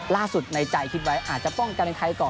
ล่าสุดในใจคิดว่าอาจจะป้องกันในไทยก่อน